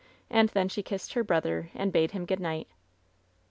And then she kissed her brother and bade him good night.